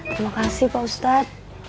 terima kasih pak ustadz